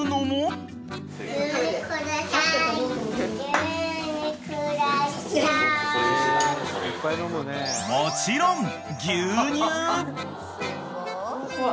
［もちろん］